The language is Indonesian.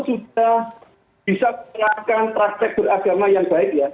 sudah bisa melakukan prasek beragama yang baik ya